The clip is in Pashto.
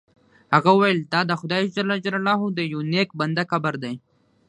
هغه وویل دا د خدای جل جلاله د یو نیک بنده قبر دی.